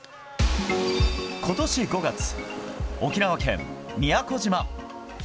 ことし５月、沖縄県宮古島。